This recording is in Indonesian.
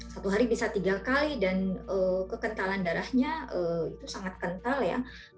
satu hari bisa tiga kali dan kekentalan darahnya itu sangat kental ya